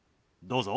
どうぞ。